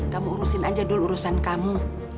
kamu urusin aja dulu urusan kamu